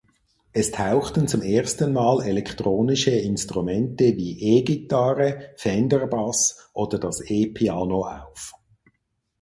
Es tauchten zum ersten Mal elektronische Instrumente wie E-Gitarre, Fender-Bass oder das E-Piano auf.